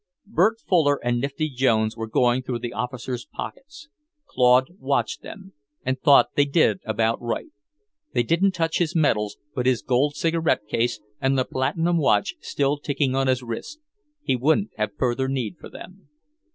Bert Fuller and Nifty Jones were going through the officer's pockets. Claude watched them, and thought they did about right. They didn't touch his medals; but his gold cigarette case, and the platinum watch still ticking on his wrist, he wouldn't have further need for them.